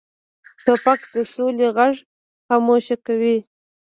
توپک د سولې غږ خاموشوي.